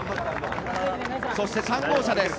そして３号車です。